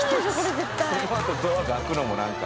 そのあとドアが開くのもなんか。